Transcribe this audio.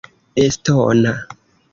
estona